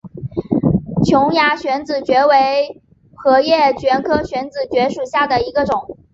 琼崖穴子蕨为禾叶蕨科穴子蕨属下的一个种。